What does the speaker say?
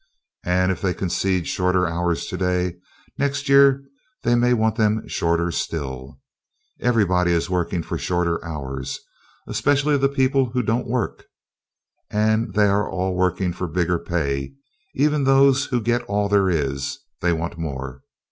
And if they concede shorter hours today, next year they may want them shorter still. Everybody is working for shorter hours, especially the people who don't work. And they are all working for bigger pay; even those who get all there is, they want more.